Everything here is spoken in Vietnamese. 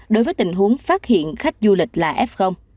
đối với tình huống phát hiện khách du lịch là f